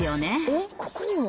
えっここにも？